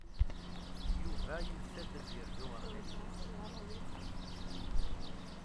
Yuba yusa-d ad yerzu ɣer Malika.